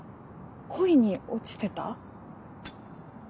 恋に落ちてた？